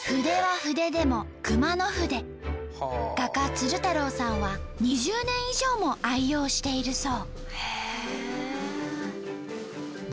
画家鶴太郎さんは２０年以上も愛用しているそう。